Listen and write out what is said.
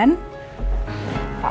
eh bener kan